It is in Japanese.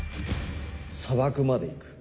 砂漠まで行く。